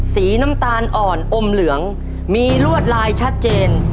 สีน้ำตาลอ่อนอมเหลืองมีลวดลายชัดเจน